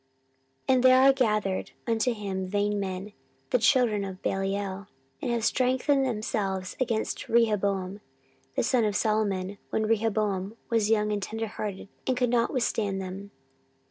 14:013:007 And there are gathered unto him vain men, the children of Belial, and have strengthened themselves against Rehoboam the son of Solomon, when Rehoboam was young and tenderhearted, and could not withstand them.